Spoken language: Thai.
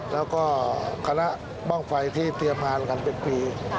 แล้วก็คณะบ้างไฟที่เตรียมงานกันเป็นปี